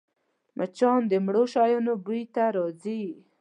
مچان د مړو شیانو بوی ته راځي